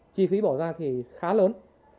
chi phí bỏ ra thì khá lớn